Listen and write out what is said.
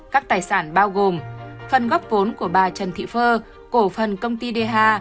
các tài sản bao gồm phần gốc vốn của bà trần thị phơ cổ phần công ty dh